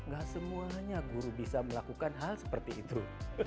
gak semuanya guru bisa melakukan hal seperti itu